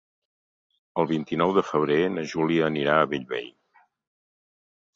El vint-i-nou de febrer na Júlia anirà a Bellvei.